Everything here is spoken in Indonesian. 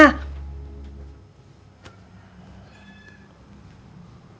sholat yang dibawa mati bukan kulkas